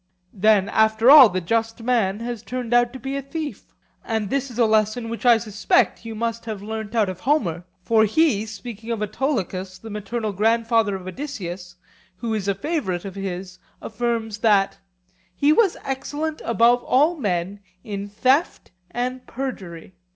Then after all the just man has turned out to be a thief. And this is a lesson which I suspect you must have learnt out of Homer; for he, speaking of Autolycus, the maternal grandfather of Odysseus, who is a favourite of his, affirms that 'He was excellent above all men in theft and perjury.